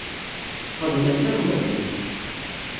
Xedmen-tt akk medden.